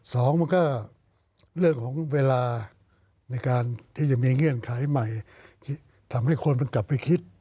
สองมันก็เรื่องของเวลาในการที่จะมีเงื่อนไขใหม่ทำให้คนมันกลับไปคิด